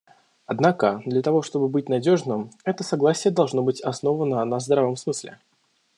Однако, для того чтобы быть надежным, это согласие должно быть основано на здравом смысле.